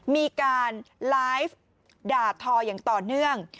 มีการไลฟ์ด่าทออย่างต่อเนื่อง